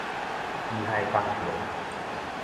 機械工程